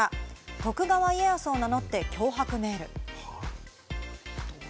徳川家康を名乗って脅迫メール。